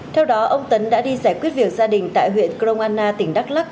theo đó ông tấn đã đi giải quyết việc gia đình tại huyện cronana tỉnh đắk lắc